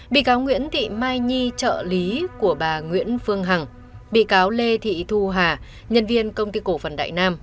bị cáo nguyễn thị mai nhi trợ lý của bà nguyễn phương hằng bị cáo lê thị thu hà nhân viên công ty cổ phần đại nam